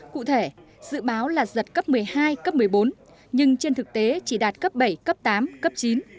cụ thể dự báo là giật cấp một mươi hai cấp một mươi bốn nhưng trên thực tế chỉ đạt cấp bảy cấp tám cấp chín